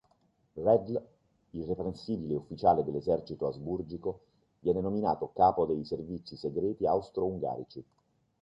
Redl, irreprensibile ufficiale dell'esercito asburgico, viene nominato capo dei servizi segreti austro-ungarici.